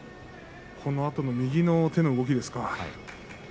このあとの右の手の動きですか？